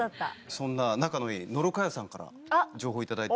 そんな仲のいい野呂佳代さんから情報頂いております。